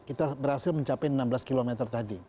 kita berhasil mencapai enam belas km tadi